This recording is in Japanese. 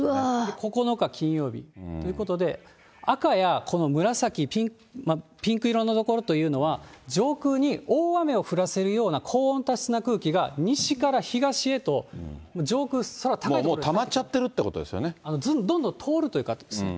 ９日金曜日ということで、赤やこの紫、ピンク色の所というのは、上空に大雨を降らせるような高温多湿な空気が西から東へと、もうたまっちゃってるってこどんどん通るという形です。